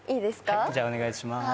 はいじゃあお願いします